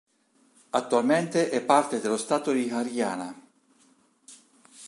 Attualmente è parte dello Stato di Haryana.